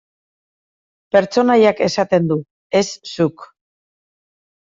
Pertsonaiak esaten du, ez zuk.